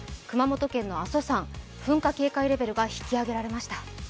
熊本県の阿蘇山噴火警戒レベルが引き上げられました。